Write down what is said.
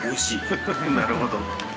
なるほど。